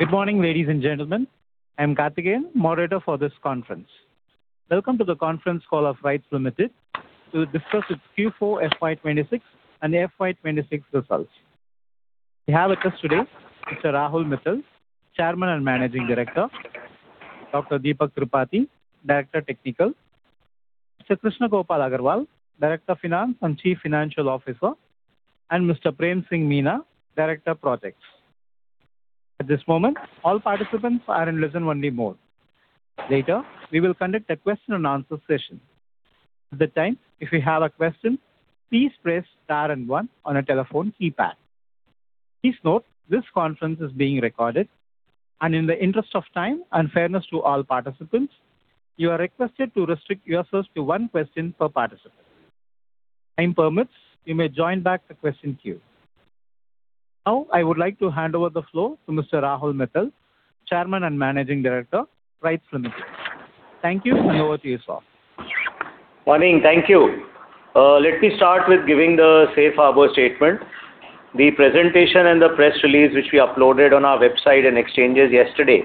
Good morning, ladies and gentlemen. I'm Karthikeyan, moderator for this conference. Welcome to the conference call of RITES Limited to discuss its Q4 FY 2026 and FY 2026 results. We have with us today Mr. Rahul Mithal, Chairman and Managing Director, Dr. Deepak Tripathi, Director Technical, Mr. Krishna Gopal Agarwal, Director Finance and Chief Financial Officer, and Mr. Prem Singh Meena, Director Projects. At this moment, all participants are in listen-only mode. Later, we will conduct a question and answer session. At the time, if you have a question, please press star one on your telephone keypad. Please note this conference is being recorded, and in the interest of time and fairness to all participants, you are requested to restrict yourselves to one question per participant. Time permits, you may join back the question queue. I would like to hand over the floor to Mr. Rahul Mithal, Chairman and Managing Director, RITES Limited. Thank you and over to you, sir. Morning. Thank you. Let me start with giving the safe harbor statement. The presentation and the press release which we uploaded on our website and exchanges yesterday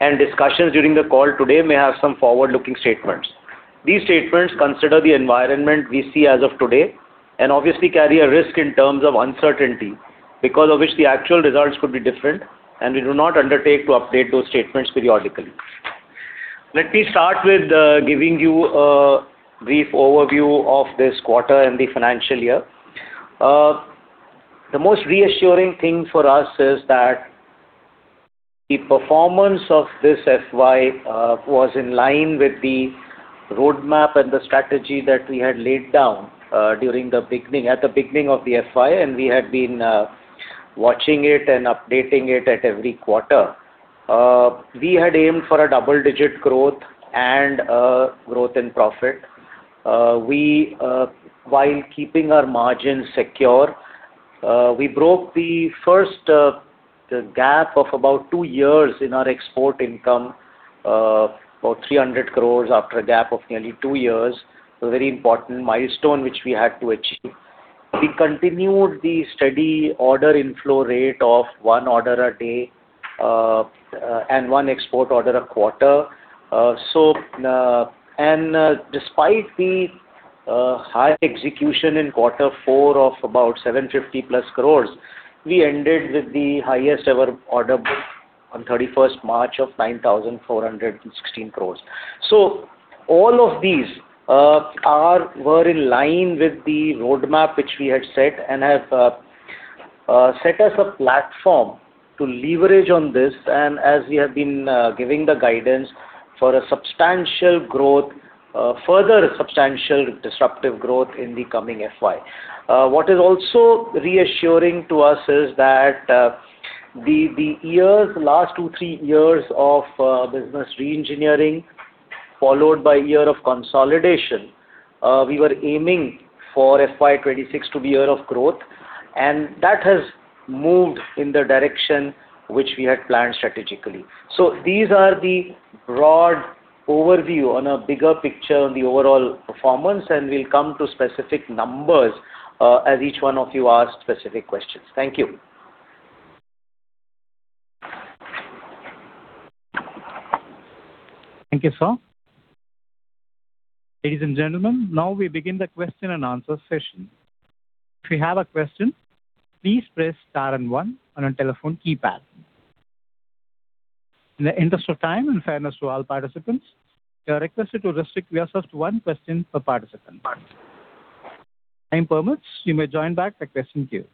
and discussions during the call today may have some forward-looking statements. These statements consider the environment we see as of today and obviously carry a risk in terms of uncertainty because of which the actual results could be different, and we do not undertake to update those statements periodically. Let me start with giving you a brief overview of this quarter and the financial year. The most reassuring thing for us is that the performance of this FY was in line with the roadmap and the strategy that we had laid down at the beginning of the FY, and we had been watching it and updating it at every quarter. We had aimed for a double-digit growth and growth in profit. We, while keeping our margins secure, we broke the first gap of about two years in our export income, about 300 crores after a gap of nearly two years. A very important milestone which we had to achieve. We continued the steady order inflow rate of one order a day and one export order a quarter. Despite the high execution in quarter four of about 750+ crores, we ended with the highest ever order book on 31st March of 9,416 crores. All of these are, were in line with the roadmap which we had set and have set us a platform to leverage on this and as we have been giving the guidance for a substantial growth, further substantial disruptive growth in the coming FY. What is also reassuring to us is that the two, three years of business reengineering followed by year of consolidation, we were aiming for FY 2026 to be year of growth, and that has moved in the direction which we had planned strategically. These are the broad overview on a bigger picture on the overall performance, and we'll come to specific numbers as each one of you ask specific questions. Thank you. Thank you, sir. Ladies and gentlemen, now we begin the question and answer session. If you have a question, please press star and one on your telephone keypad. In the interest of time and fairness to all participants, you are requested to restrict yourselves to one question per participant. Time permits, you may join back the question queue.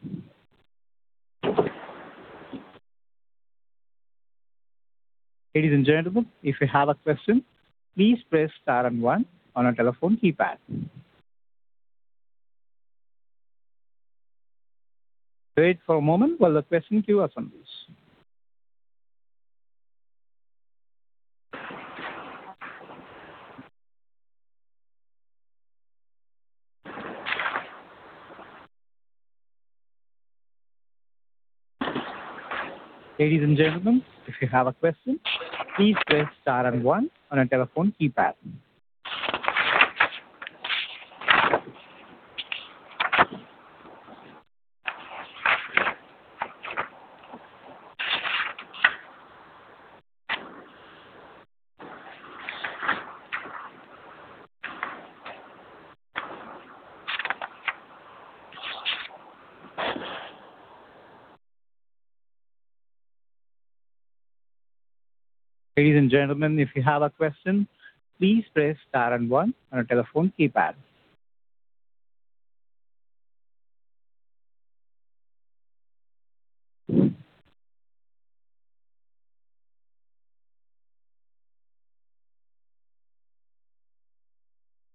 Ladies and gentlemen, if you have a question, please press star and one on your telephone keypad. Wait for a moment while the question queue assembles. Ladies and gentlemen, if you have a question, please press star and one on your telephone keypad. Ladies and gentlemen, if you have a question, please press star and one on your telephone keypad.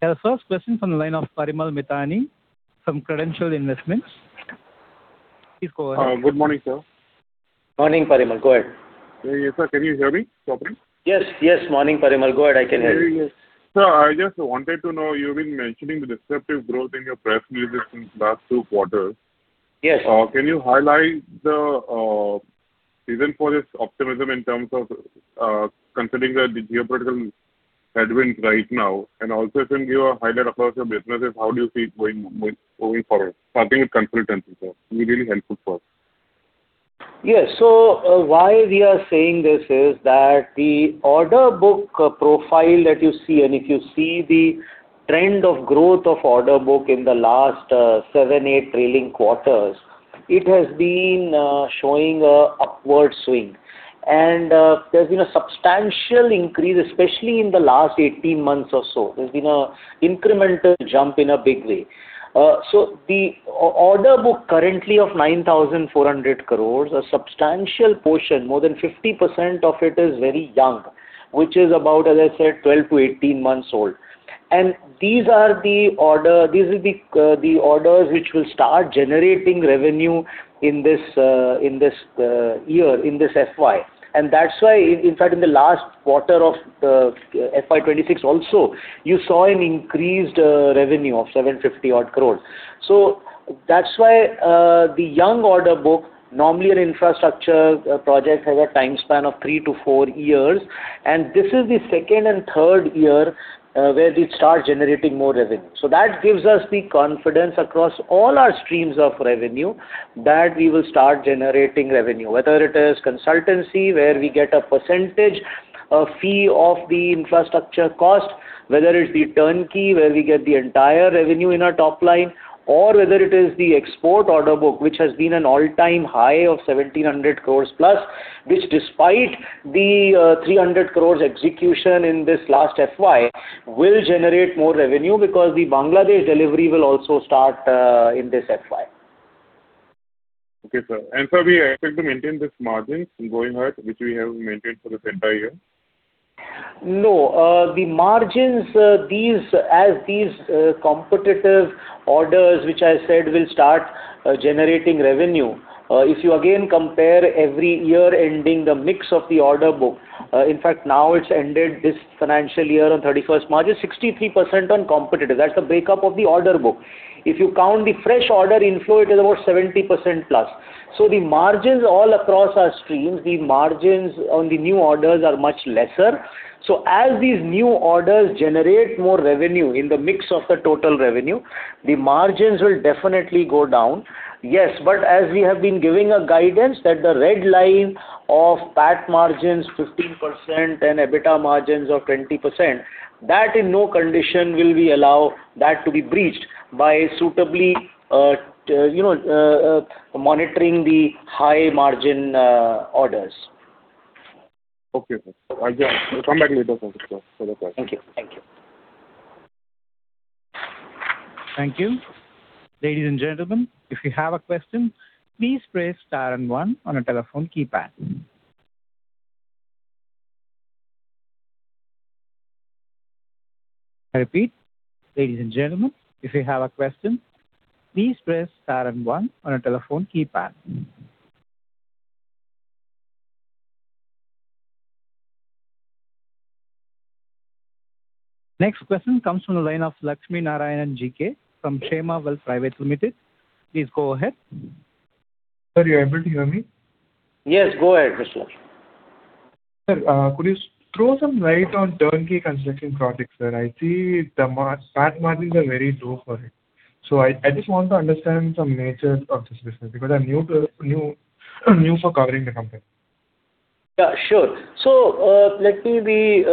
Our first question from the line of Parimal Mithani from Credential Investments. Please go ahead. Good morning, sir. Morning, Parimal. Go ahead. Yes, sir. Can you hear me properly? Yes, yes. Morning, Parimal. Go ahead. I can hear you. Sir, I just wanted to know, you've been mentioning the disruptive growth in your press releases in last two quarters. Yes. Can you highlight the reason for this optimism in terms of considering the geopolitical headwinds right now. Also, can you highlight across your businesses, how do you see it going forward? Starting with consultancy, sir. It'll be really helpful for us. Yes. Why we are saying this is that the order book profile that you see, and if you see the trend of growth of order book in the last seven, eight trailing quarters, it has been showing a upward swing. There's been a substantial increase, especially in the last 18 months or so. There's been a incremental jump in a big way. The order book currently of 9,400 crore, a substantial portion, more than 50% of it is very young, which is about, as I said, 12-18 months old. These will be the orders which will start generating revenue in this, in this, year, in this FY. That's why, in fact, in the last quarter of FY 2026 also, you saw an increased revenue of 750 odd crores. That's why, the young order book, normally an infrastructure project has a time span of three to four years, and this is the second and third year where we start generating more revenue. That gives us the confidence across all our streams of revenue that we will start generating revenue, whether it is consultancy, where we get a percentage, a fee of the infrastructure cost, whether it is the turnkey, where we get the entire revenue in our top line, or whether it is the export order book, which has been an all-time high of 1,700+ crore, which despite the 300 crore execution in this last FY, will generate more revenue because the Bangladesh delivery will also start in this FY. Okay, sir. Sir, we expect to maintain this margin going ahead, which we have maintained for this entire year? No. The margins, as these competitive orders, which I said will start generating revenue, if you again compare every year ending the mix of the order book, in fact, now it's ended this financial year on 31st March, is 63% on competitive. That's the breakup of the order book. If you count the fresh order inflow, it is about 70%+. The margins all across our streams, the margins on the new orders are much lesser. As these new orders generate more revenue in the mix of the total revenue, the margins will definitely go down. Yes, as we have been giving a guidance that the red line of PAT margins 15% and EBITDA margins of 20%, that in no condition will we allow that to be breached by suitably, you know, monitoring the high margin orders. Okay, sir. I'll, yeah, I'll come back later for the question. Thank you. Thank you. Thank you. Ladies and gentlemen, if you have a question, please press star and one on a telephone keypad. I repeat, ladies and gentlemen, if you have a question, please press star and one on a telephone keypad. Next question comes from the line of Lakshminarayanan G K from Ksema Wealth Private Limited. Please go ahead. Sir, you're able to hear me? Yes. Go ahead, Mr. Lakshmi. Sir, could you throw some light on turnkey construction projects, sir? I see the PAT margins are very low for it. I just want to understand some nature of this business because I'm new for covering the company. Yeah, sure. Let me be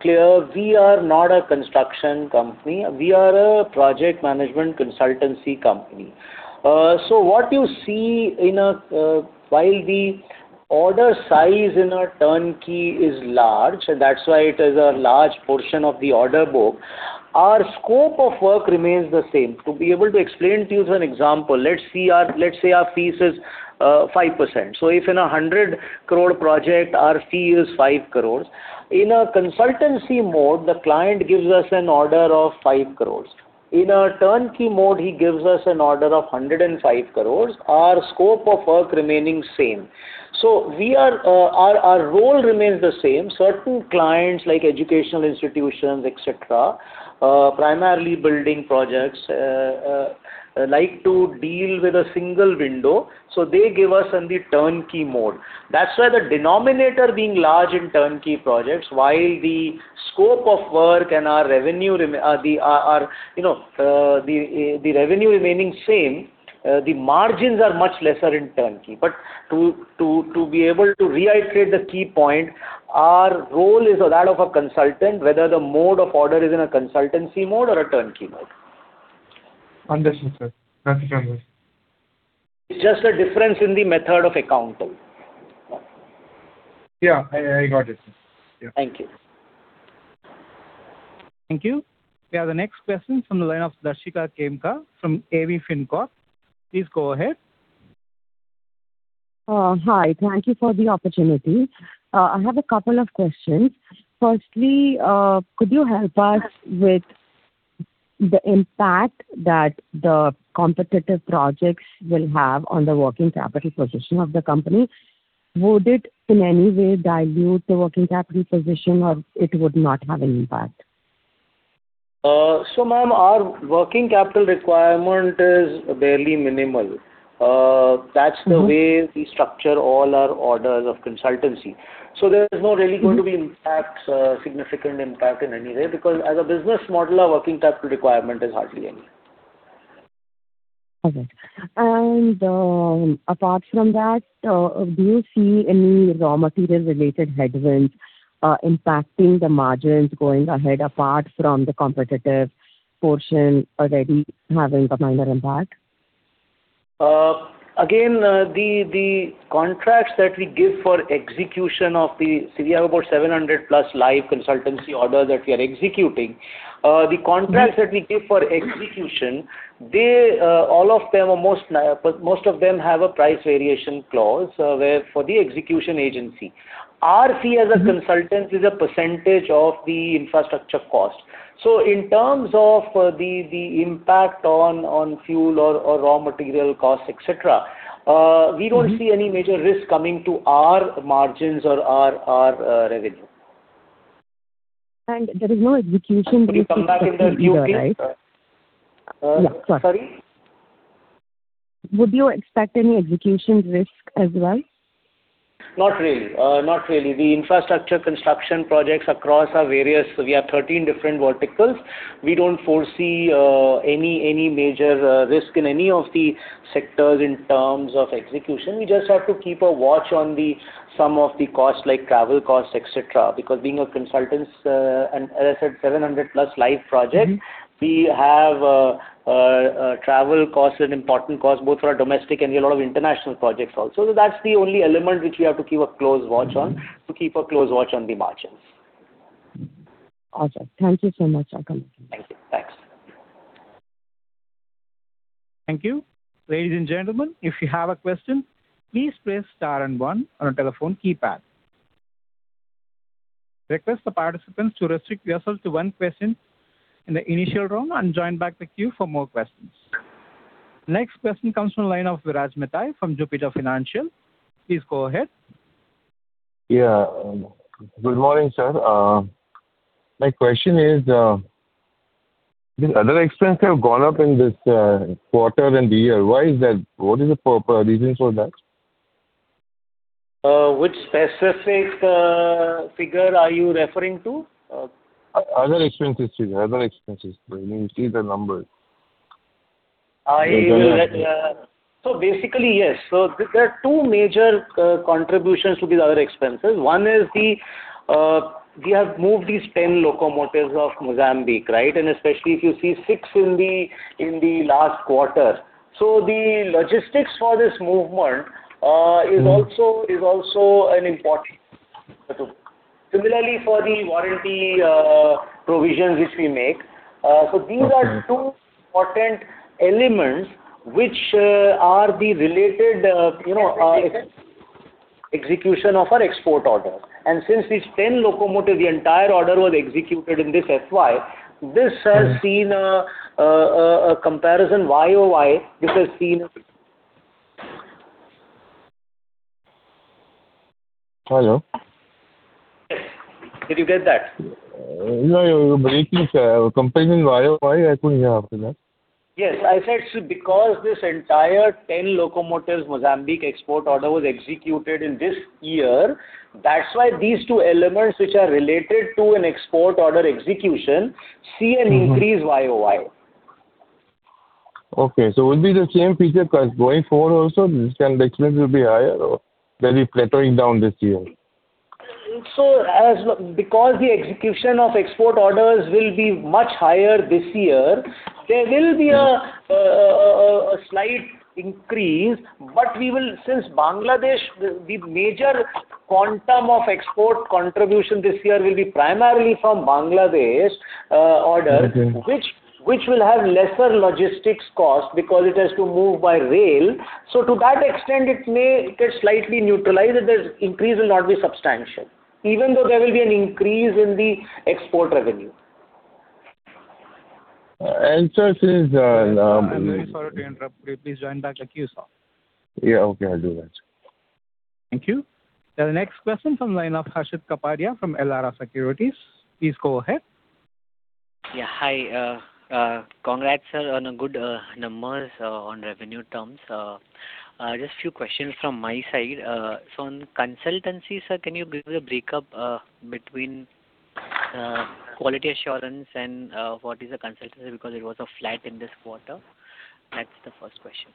clear. We are not a construction company. We are a project management consultancy company. What you see in a, while the order size in a turnkey is large, that's why it is a large portion of the order book. Our scope of work remains the same. To be able to explain to you as an example, let's say our fees is 5%. If in a 100 crore project, our fee is 5 crores. In a consultancy mode, the client gives us an order of 5 crores. In a turnkey mode, he gives us an order of 105 crores, our scope of work remaining same. We are, our role remains the same. Certain clients like educational institutions, et cetera, primarily building projects, like to deal with a single window, so they give us in the turnkey mode. That's why the denominator being large in turnkey projects, while the scope of work and our revenue, our, you know, the revenue remaining same, the margins are much lesser in turnkey. To be able to reiterate the key point, our role is that of a consultant, whether the mode of order is in a consultancy mode or a turnkey mode. Understood, sir. Thank you for your time. It's just a difference in the method of accounting. Yeah, I got it. Yeah. Thank you. Thank you. Yeah, the next question from the line of Darshika Khemka from AV Fincorp. Please go ahead. Hi. Thank you for the opportunity. I have a couple of questions. Firstly, could you help us with the impact that the competitive projects will have on the working capital position of the company? Would it in any way dilute the working capital position, or it would not have any impact? Ma'am, our working capital requirement is barely minimal. That's the way we structure all our orders of consultancy. There is no really going to be impact, significant impact in any way because as a business model, our working capital requirement is hardly any. Okay. Apart from that, do you see any raw material related headwinds impacting the margins going ahead, apart from the competitive portion already having a minor impact? Again, the contracts that we give for execution, we have about 700+ live consultancy orders that we are executing. The contracts that we give for execution, all of them or most of them have a price variation clause, where for the execution agency. Our fee as a consultant is a percentage of the infrastructure cost. In terms of the impact on fuel or raw material costs, et cetera, we don't see any major risk coming to our margins or our revenue. There is no execution risk right? Sorry. Would you expect any execution risk as well? Not really. The infrastructure construction projects, we have 13 different verticals. We don't foresee any major risk in any of the sectors in terms of execution. We just have to keep a watch on the some of the costs, like travel costs, et cetera, because being a consultant, and as I said, 700+ live projects. We have travel costs, an important cost both for our domestic and we have a lot of international projects also. That's the only element which we have to keep a close watch on the margins. Awesome. Thank you so much. I'll come back. Thank you. Thanks. Thank you. Ladies and gentlemen, if you have a question, please press star and one on your telephone keypad. Request the participants to restrict yourself to one question in the initial round and join back the queue for more questions. Next question comes from line of Viraj Mithani from Jupiter Financial. Please go ahead. Good morning, sir. My question is, these other expenses have gone up in this quarter and the year. Why is that? What is the reasons for that? Which specific figure are you referring to? Other expenses. When you see the numbers. I basically, yes. There are two major contributions to these other expenses. One is, we have moved these 10 locomotives of Mozambique, right? Especially if you see six in the last quarter. The logistics for this movement. Is also an important factor. Similarly, for the warranty, provisions which we make. These are two important elements which are the related, you know. Execution. Execution of our export order. Since these 10 locomotive, the entire order was executed in this FY, this has seen a comparison YoY, which has seen a Hello? Yes. Did you get that? No, breaking, sir. Comparison YoY, I couldn't hear after that. Yes. I said so because this entire 10 locomotives Mozambique export order was executed in this year, that's why these two elements which are related to an export order execution see an increase YoY. Okay. Will be the same picture going forward also, this expense will be higher or will be plateauing down this year? Because the execution of export orders will be much higher this year, there will be a slight increase, but since Bangladesh, the major quantum of export contribution this year will be primarily from Bangladesh, order. -which will have lesser logistics cost because it has to move by rail. To that extent, it is slightly neutralized. The increase will not be substantial, even though there will be an increase in the export revenue. Sir since I'm very sorry to interrupt you. Please join back the queue, sir. Yeah, okay. I'll do that. Thank you. The next question from line of Harshit Kapadia from Elara Securities. Please go ahead. Yeah. Hi. Congrats, sir, on a good numbers on revenue terms. Just few questions from my side. On consultancy, sir, can you give me the breakup between quality assurance and what is the consultancy because it was a flat in this quarter? That's the first question.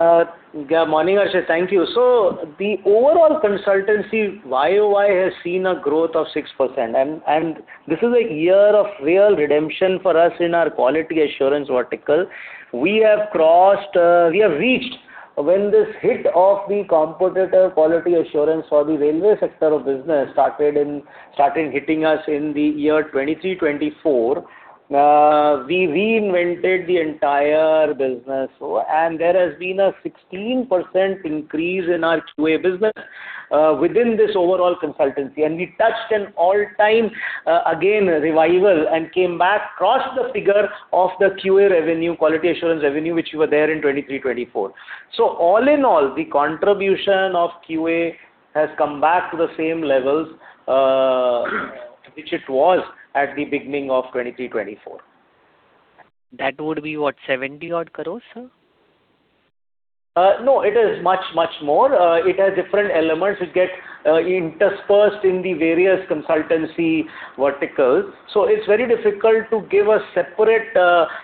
Good morning, Harshit. Thank you. The overall consultancy YoY has seen a growth of 6%. This is a year of real redemption for us in our quality assurance vertical. We have crossed, we have reached when this hit of the competitor quality assurance for the railway sector of business started hitting us in the year 2023-2024, we reinvented the entire business. There has been a 16% increase in our QA business within this overall consultancy. We touched an all-time, again, revival and came back, crossed the figure of the QA revenue, quality assurance revenue, which was there in 2023-2024. All in all, the contribution of QA has come back to the same levels, which it was at the beginning of 2023-2024. That would be what? 70 odd crores, sir? No, it is much, much more. It has different elements which get interspersed in the various consultancy verticals. It's very difficult to give a separate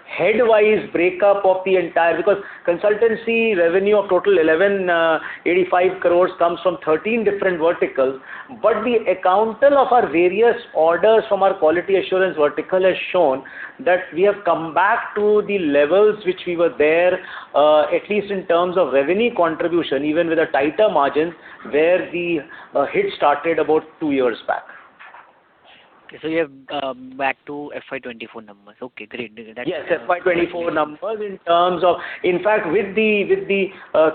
headwise breakup of the entire because consultancy revenue of total 1,185 crore comes from 13 different verticals. The accounting of our various orders from our quality assurance vertical has shown that we have come back to the levels which we were there, at least in terms of revenue contribution, even with a tighter margin, where the hit started about two years back. Okay. You have back to FY 2024 numbers. Okay, great. Yes, FY 2024 numbers in terms of, in fact, with the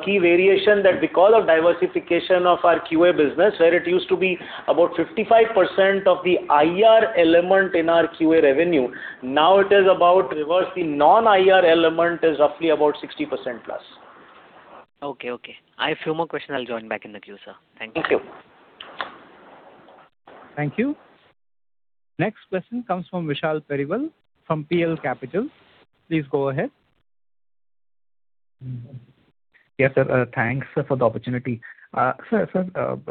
key variation that we call our diversification of our QA business, where it used to be about 55% of the IR element in our QA revenue. Now it is about reverse. The non-IR element is roughly about 60%+. Okay. Okay. I have few more questions. I'll join back in the queue, sir. Thank you. Thank you. Thank you. Next question comes from Vishal Periwal from PL Capital. Please go ahead. Yeah, sir. Thanks, sir, for the opportunity. Sir,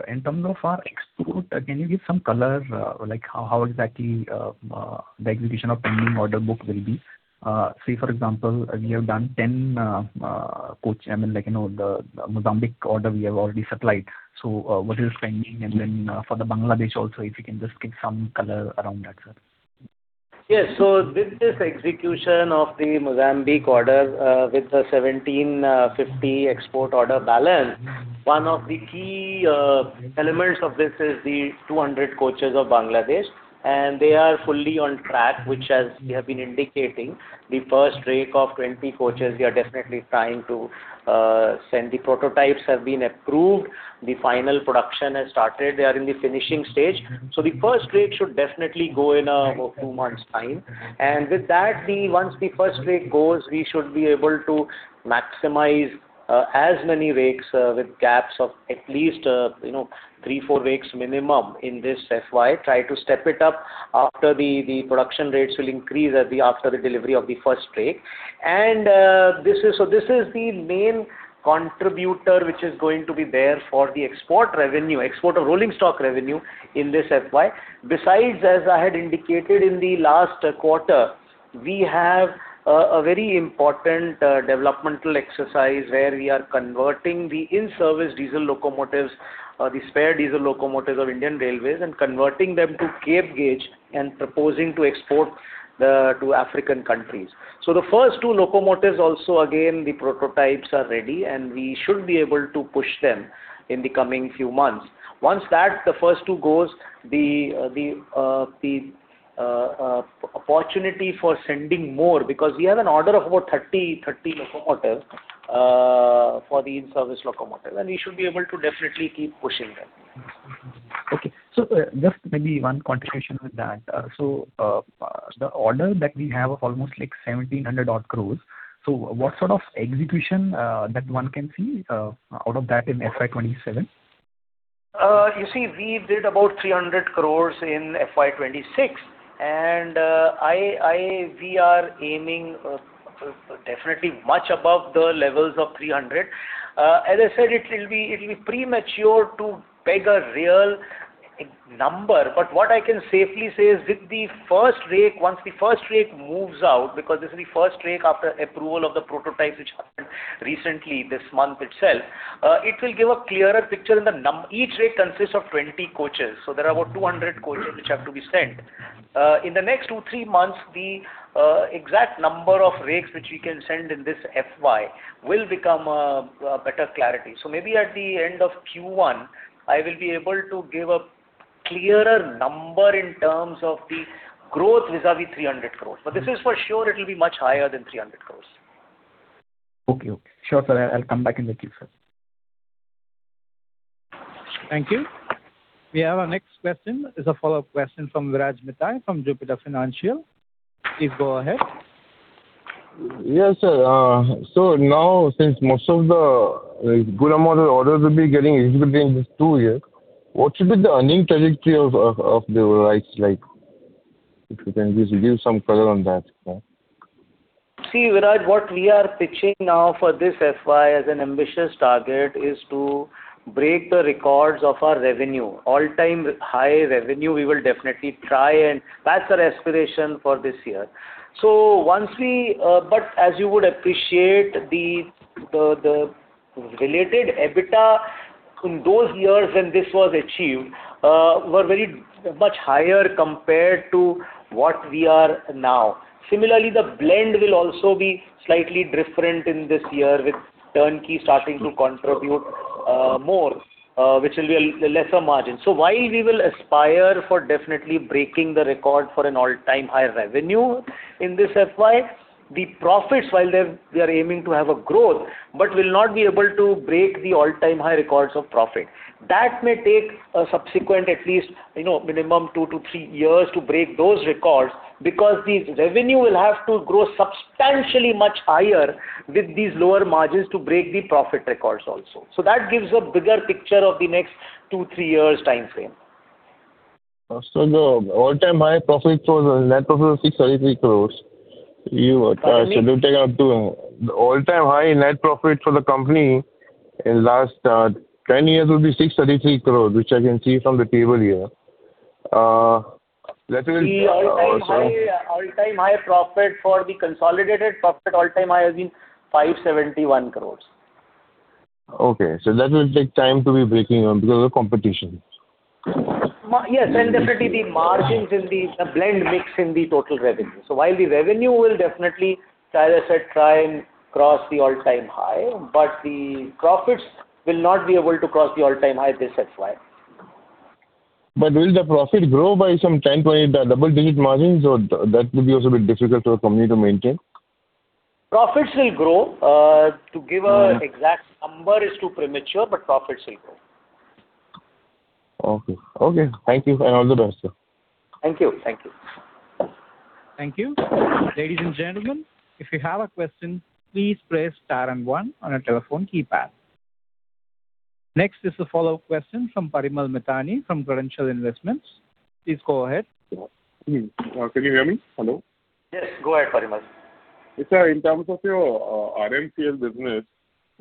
in terms of our export, can you give some color, like how exactly the execution of pending order book will be? Say, for example, we have done 10 coach. I mean, like, you know, the Mozambique order we have already supplied. What is pending? For the Bangladesh also, if you can just give some color around that, sir. Yes. With this execution of the Mozambique order, with the 1,750 export order balance, one of the key elements of this is the 200 coaches of Bangladesh. They are fully on track, which as we have been indicating. The first rake of 20 coaches, we are definitely trying to send. The prototypes have been approved. The final production has started. They are in the finishing stage. The first rake should definitely go in about two months' time. With that, once the first rake goes, we should be able to maximize as many rakes with gaps of at least, you know, three, four rakes minimum in this FY. Try to step it up after the production rates will increase after the delivery of the first rake. This is the main contributor which is going to be there for the export revenue, export of rolling stock revenue in this FY. Besides, as I had indicated in the last quarter, we have a very important developmental exercise where we are converting the in-service diesel locomotives, the spare diesel locomotives of Indian Railways, and converting them to Cape gauge and proposing to export to African countries. The first two locomotives also, again, the prototypes are ready, and we should be able to push them in the coming few months. Once the first two goes, the opportunity for sending more because we have an order of about 30 locomotives for the in-service locomotive, and we should be able to definitely keep pushing them. Okay. Just maybe one continuation with that. The order that we have of almost like 1,700 odd crores, so what sort of execution, that one can see, out of that in FY 2027? You see, we did about 300 crore in FY 2026. We are aiming definitely much above the levels of 300 crore. As I said, it will be premature to peg a real number. What I can safely say is with the first rake, once the first rake moves out, because this is the first rake after approval of the prototype, which happened recently, this month itself, it will give a clearer picture. Each rake consists of 20 coaches. There are about 200 coaches which have to be sent. In the next two, three months, the exact number of rakes which we can send in this FY will become a better clarity. Maybe at the end of Q1, I will be able to give a clearer number in terms of the growth vis-à-vis 300 crores. This is for sure it will be much higher than 300 crores. Okay. Okay. Sure, sir. I'll come back in the queue, sir. Thank you. We have our next question. It's a follow-up question from Viraj Mithani from Jupiter Financial. Please go ahead. Yes, sir. Now since most of the, like, good amount of orders will be getting executed in this two years, what should be the earning trajectory of the RITES like? If you can just give some color on that, sir. See, Viraj, what we are pitching now for this FY as an ambitious target is to break the records of our revenue. All-time-high revenue we will definitely try, that's our aspiration for this year. As you would appreciate the related EBITDA in those years when this was achieved, were very much higher compared to what we are now. Similarly, the blend will also be slightly different in this year with turnkey starting to contribute more, which will be a lesser margin. While we will aspire for definitely breaking the record for an all-time-high revenue in this FY, the profits, while we are aiming to have a growth, but will not be able to break the all-time-high records of profit. That may take a subsequent at least, you know, minimum two to three years to break those records because the revenue will have to grow substantially much higher with these lower margins to break the profit records also. That gives a bigger picture of the next two, three years timeframe. The all-time high profit for net profit was INR 633 crores. Pardon me? The all-time high net profit for the company in last 10 years will be 633 crores, which I can see from the table here. The all-time high profit for the consolidated profit all-time high has been 571 crores. Okay. That will take time to be breaking, because of competition. Yes, definitely the margins in the blend mix in the total revenue. While the revenue will definitely, as I said, try and cross the all-time high, but the profits will not be able to cross the all-time high this FY. Will the profit grow by some double-digit margins or that will be also a bit difficult for the company to maintain? Profits will grow. To give a exact number is too premature, but profits will grow. Okay. Okay. Thank you and all the best, sir. Thank you. Thank you. Thank you. Ladies and gentlemen, if you have a question, please press star and one on your telephone keypad. Next is a follow-up question from Parimal Mithani from Credential Investments. Please go ahead. Yeah. Mm-hmm. Can you hear me? Hello? Yes, go ahead, Parimal. Sir, in terms of your REMCL business,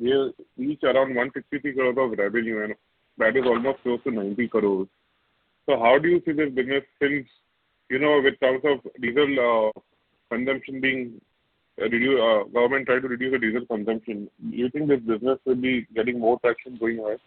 we are each around 163 crore of revenue and that is almost close to 90 crores. How do you see this business since, you know, with terms of diesel consumption being reduced, government trying to reduce the diesel consumption, do you think this business will be getting more traction going ahead?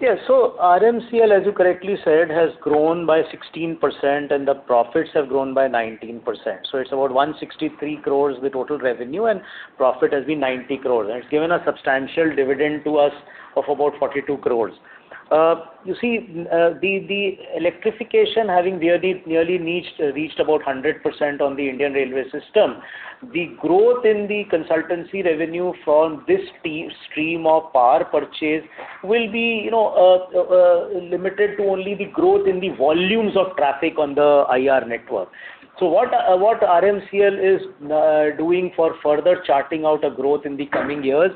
Yeah. REMCL, as you correctly said, has grown by 16% and the profits have grown by 19%. It's about 163 crores the total revenue and profit has been 90 crores. It's given a substantial dividend to us of about 42 crores. You see, the electrification having nearly reached about 100% on the Indian Railways system. The growth in the consultancy revenue from this stream of power purchase will be, you know, limited to only the growth in the volumes of traffic on the IR network. What REMCL is doing for further charting out a growth in the coming years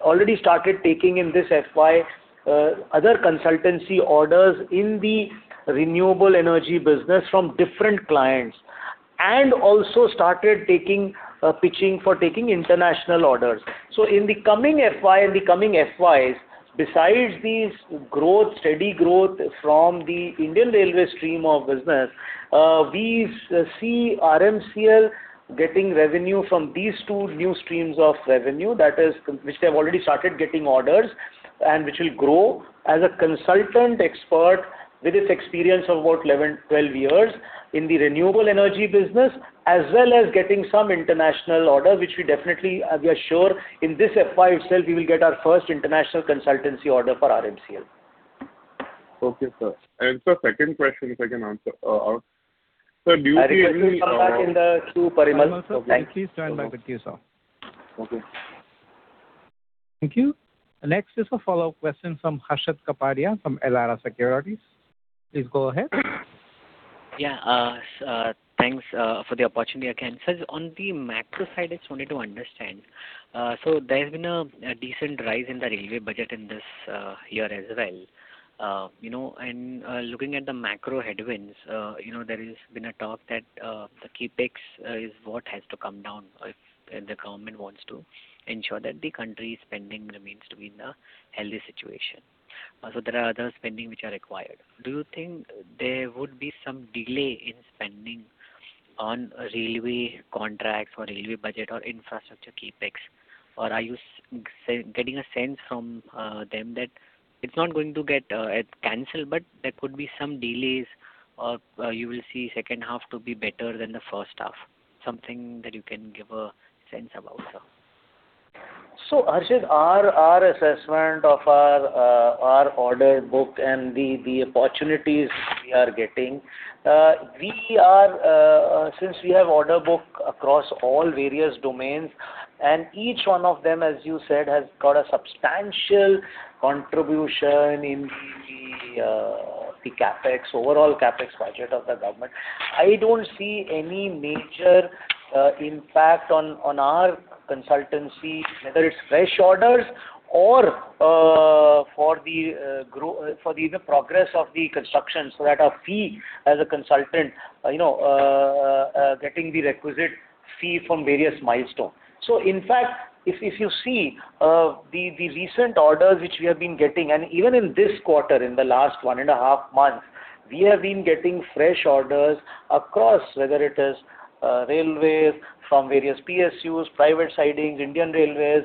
already started taking in this FY other consultancy orders in the renewable energy business from different clients, and also started taking pitching for taking international orders. In the coming FY and the coming FYs, besides these growth, steady growth from the Indian Railways stream of business, we see REMCL getting revenue from these two new streams of revenue. That is, which they have already started getting orders and which will grow as a consultant expert with its experience of about 11, 12 years in the renewable energy business, as well as getting some international orders, which we definitely, we are sure in this FY itself we will get our first international consultancy order for REMCL. Okay, sir. Sir, second question if I can answer. I request you to come back in the queue, Parimal. Parimal, sir, please join back with you, sir. Okay. Thank you. Next is a follow-up question from Harshit Kapadia from Elara Securities. Please go ahead. Yeah. Thanks for the opportunity again. Sir, on the macro side, I just wanted to understand. There's been a decent rise in the railway budget in this year as well. You know, looking at the macro headwinds, you know, there has been a talk that the CapEx is what has to come down if the government wants to ensure that the country's spending remains to be in a healthy situation. Also, there are other spending which are required. Do you think there would be some delay in spending on railway contracts or railway budget or infrastructure CapEx? Are you getting a sense from them that it's not going to get canceled, but there could be some delays or you will see second half to be better than the first half? Something that you can give a sense about, sir. Harshit, our assessment of our order book and the opportunities we are getting, we are since we have order book across all various domains, and each one of them, as you said, has got a substantial contribution in the CapEx, overall CapEx budget of the government. I don't see any major impact on our consultancy, whether it's fresh orders or for the progress of the construction, so that our fee as a consultant, you know, getting the requisite fee from various milestones. In fact, if you see, the recent orders which we have been getting, and even in this quarter, in the last 1.5 months, we have been getting fresh orders across, whether it is railways from various PSUs, private sidings, Indian Railways,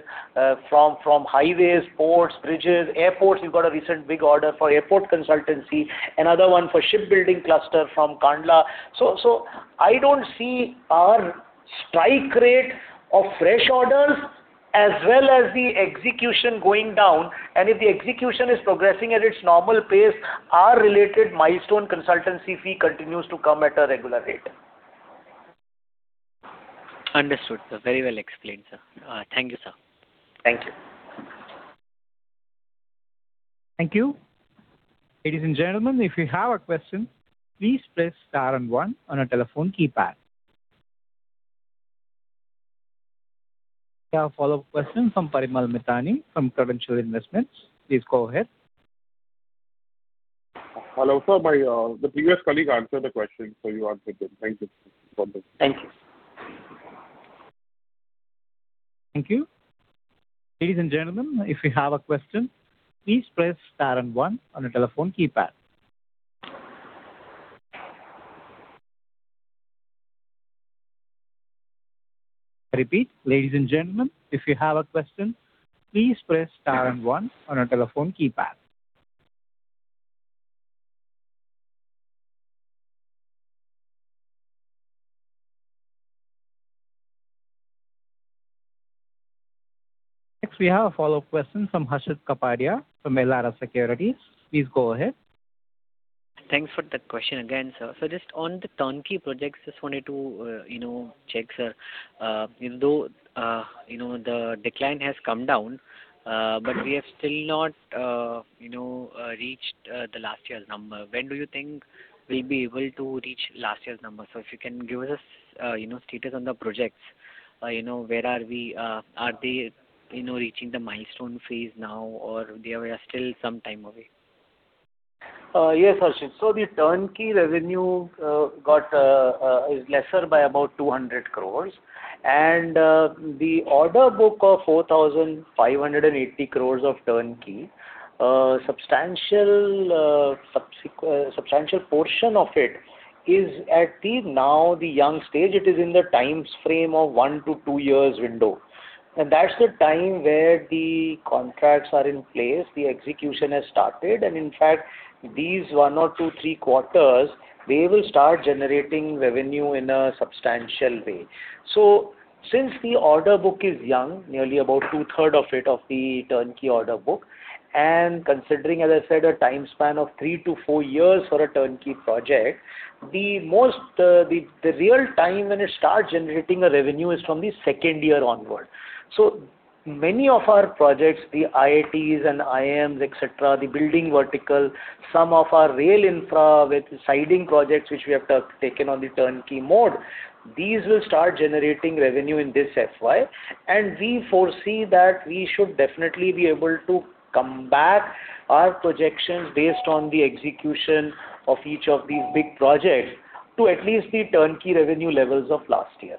from highways, ports, bridges, airports. We've got a recent big order for airport consultancy, another one for shipbuilding cluster from Kandla. I don't see our strike rate of fresh orders as well as the execution going down. If the execution is progressing at its normal pace, our related milestone consultancy fee continues to come at a regular rate. Understood, sir. Very well explained, sir. Thank you, sir. Thank you. Thank you. Ladies and gentlemen, if you have a question, please press star one on your telephone keypad. We have a follow-up question from Parimal Mithani from Credential Investments. Please go ahead. Hello, sir. My, the previous colleague answered the question, so you answered it. Thank you. Thank you. Ladies and gentlemen, if you have a question, please press star and one on your telephone keypad. I repeat, ladies and gentlemen, if you have a question, please press star and one on your telephone keypad. We have a follow-up question from Harshit Kapadia from Elara Securities. Please go ahead. Thanks for the question again, sir. Just on the turnkey projects, just wanted to, you know, check, sir. Even though, you know, the decline has come down, but we have still not, you know, reached the last year's number. When do you think we'll be able to reach last year's number? If you can give us, you know, status on the projects. You know, where are we? Are they, you know, reaching the milestone phase now or they are still some time away? Yes, Harshit. The turnkey revenue is lesser by about 200 crore. The order book of 4,580 crore of turnkey, substantial portion of it is at the now the young stage. It is in the time's frame of one to two years window. That's the time where the contracts are in place, the execution has started. In fact, these one or two, three quarters, they will start generating revenue in a substantial way. Since the order book is young, nearly about 2/3 of it, of the turnkey order book, and considering, as I said, a time span of three to four years for a turnkey project, the most real time when it starts generating a revenue is from the second year onward. Many of our projects, the IITs and IIMs, et cetera, the building vertical, some of our rail infra with siding projects which we have taken on the turnkey mode, these will start generating revenue in this FY. We foresee that we should definitely be able to come back our projections based on the execution of each of these big projects to at least the turnkey revenue levels of last year.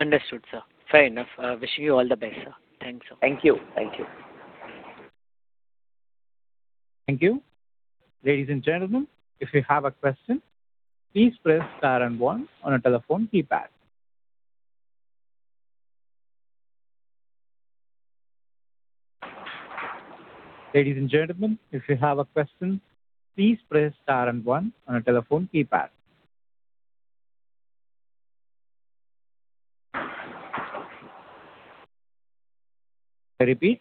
Understood, sir. Fair enough. Wishing you all the best, sir. Thanks, sir. Thank you. Thank you. Thank you. Ladies and gentlemen, if you have a question, please press star and one on your telephone keypad. Ladies and gentlemen, if you have a question, please press star and one on your telephone keypad. I repeat,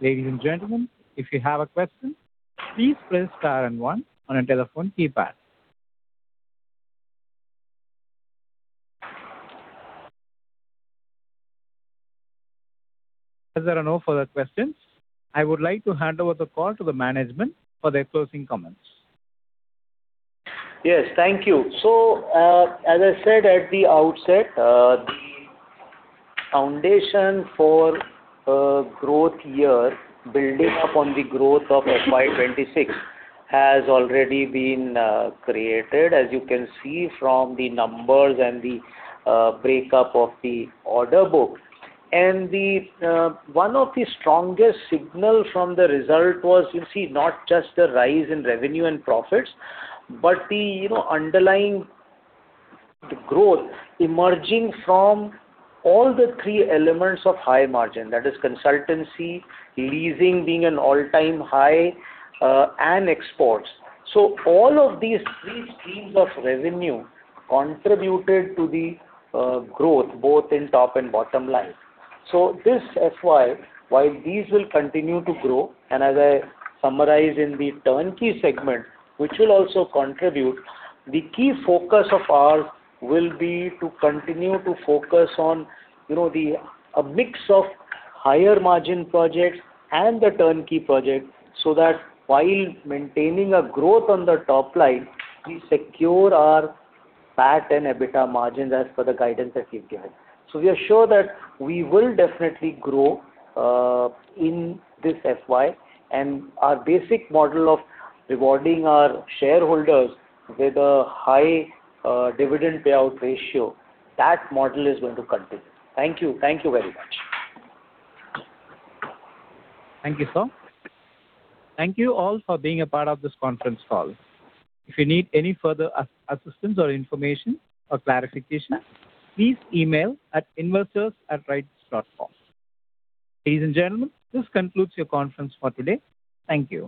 ladies and gentlemen, if you have a question, please press star and one on your telephone keypad. As there are no further questions, I would like to hand over the call to the management for their closing comments. Yes, thank you. As I said at the outset, the foundation for a growth year building up on the growth of FY 2026 has already been created, as you can see from the numbers and the breakup of the order book. The one of the strongest signal from the result was, you see, not just the rise in revenue and profits, but the, you know, underlying growth emerging from all the three elements of high-margin. That is consultancy, leasing being an all-time high, and exports. All of these three streams of revenue contributed to the growth, both in top and bottom line. This FY, while these will continue to grow, and as I summarized in the turnkey segment, which will also contribute, the key focus of ours will be to continue to focus on a mix of higher margin projects and the turnkey projects so that while maintaining a growth on the top line, we secure our PAT and EBITDA margins as per the guidance that we've given. We are sure that we will definitely grow in this FY. Our basic model of rewarding our shareholders with a high dividend payout ratio, that model is going to continue. Thank you. Thank you very much. Thank you, sir. Thank you all for being a part of this conference call. If you need any further assistance or information or clarification, please email at investors@rites.com. Ladies and gentlemen, this concludes your conference for today. Thank you.